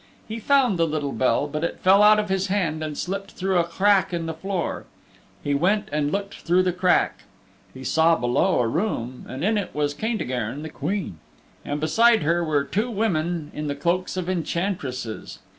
He found the little bell, but it fell out of his hand and slipped through a crack in the floor. He went and looked through the crack. He saw below a room and in it was Caintigern, the Queen, and beside her were two women in the cloaks of enchantresses.